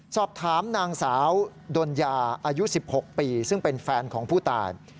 สอบถามนางสาวดนยาอายุ๑๖ปีซึ่งเป็นแฟนของผู้ตาย